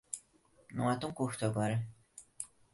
Não é tão curto agora.